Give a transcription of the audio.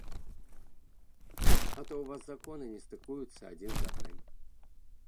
А то ў вас законы не стыкуюцца адзін з адным.